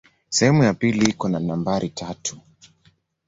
Sehemu ya pili iko na nambari tatu.